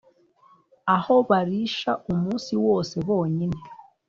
Aho barisha umunsi wose bonyine